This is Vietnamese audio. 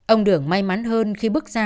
ông đường may mắn hơn khi bước ra